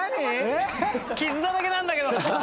傷だらけなんだけど。